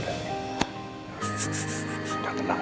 tenang tenang tenang